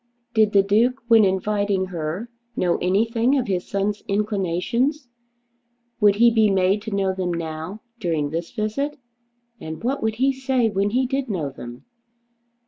Did the Duke when inviting her know anything of his son's inclinations? Would he be made to know them now, during this visit? And what would he say when he did know them?